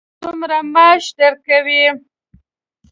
څومره معاش درکوي.